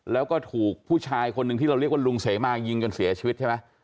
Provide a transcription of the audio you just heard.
แล้วก็ถูกผู้ชายคนหนึ่งที่เราเรียกว่าลุงเสมายิงจนเสียชีวิตใช่ไหม